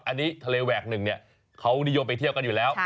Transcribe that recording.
อันนี้ทะเลแหวกหนึ่งเนี่ยเขานิยมไปเที่ยวกันอยู่แล้ว